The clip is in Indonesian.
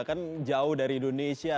kan jauh dari indonesia